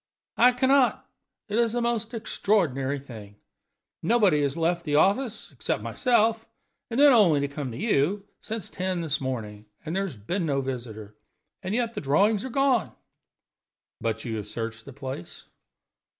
"I can not. It is a most extraordinary thing. Nobody has left the office (except myself, and then only to come to you) since ten this morning, and there has been no visitor. And yet the drawings are gone!" "But have you searched the place?"